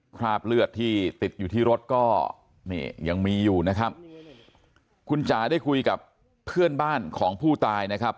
คราบเลือดที่ติดอยู่ที่รถก็นี่ยังมีอยู่นะครับคุณจ๋าได้คุยกับเพื่อนบ้านของผู้ตายนะครับ